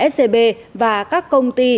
scb và các công ty